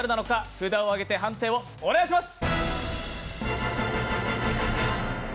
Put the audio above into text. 札を上げて判定をお願いします。